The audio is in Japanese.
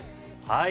はい。